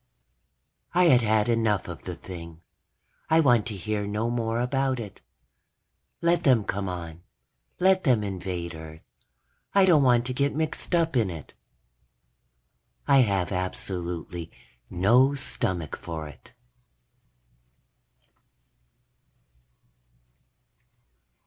I had had enough of the thing. I want to hear no more about it. Let them come on. Let them invade Earth. I don't want to get mixed up in it. I have absolutely no stomach for it.